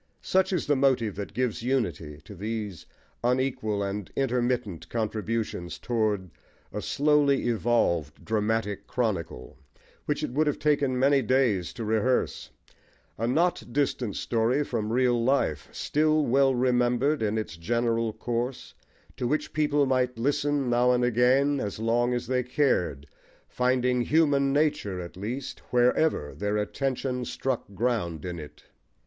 Such is the motive that gives unity to these unequal and intermittent contributions toward a slowly evolved dramatic chronicle, which it would have taken many days to rehearse; a not distant story from real life still well remembered in its general course, to which people might listen now and again, as long as they cared, finding human nature at least wherever their attention struck ground in it.